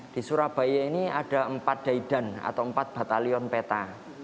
di surabaya ini ada empat daidan atau empat batalion peta